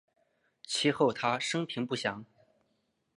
其后他生平不详。